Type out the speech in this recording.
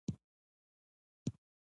زه له همصنفيانو څخه مرسته غواړم.